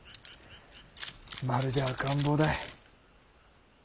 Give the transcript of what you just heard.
まるで赤ん坊だ。